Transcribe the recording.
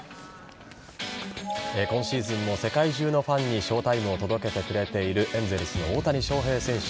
今シーズンも世界中のファンにショータイムを届けてくれているエンゼルスの大谷翔平選手。